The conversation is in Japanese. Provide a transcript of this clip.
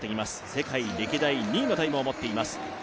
世界歴代２位のタイムを持っています。